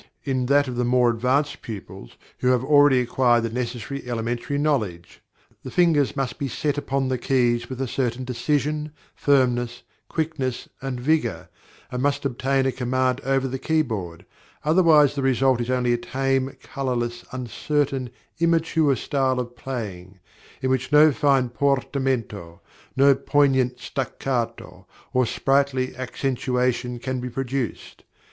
_, in that of more advanced pupils who have already acquired the necessary elementary knowledge. The fingers must be set upon the keys with a certain decision, firmness, quickness, and vigor, and must obtain a command over the key board; otherwise, the result is only a tame, colorless, uncertain, immature style of playing, in which no fine portamento, no poignant staccato, or sprightly accentuation can be produced.